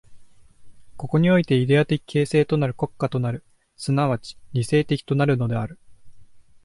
ここにおいてイデヤ的形成的として国家となる、即ち理性的となるのである。